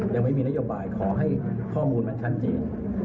ยังไม่มีนโยบายขอให้ข้อมูลมันชัดเจน